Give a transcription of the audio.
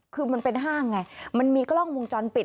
คือมันเป็นห้างไงมันมีกล้องวงจรปิด